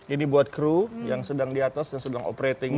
ini buat kru yang sedang di atas dan sedang operating